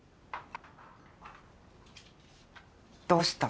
どうしたの？